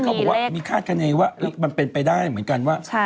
เขาบอกว่ามีคาดคณีว่ามันเป็นไปได้เหมือนกันว่า